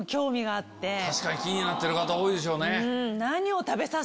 確かに気になってる方多いでしょうね。